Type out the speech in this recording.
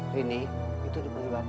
rini itu di mana bapak